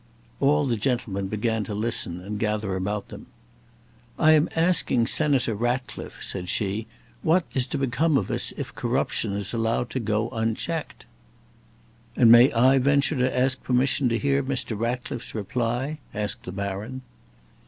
All the gentlemen began to listen and gather about them. "I am asking Senator Ratcliffe," said she, "what is to become of us if corruption is allowed to go unchecked." "And may I venture to ask permission to hear Mr. Ratcliffe's reply?" asked the baron.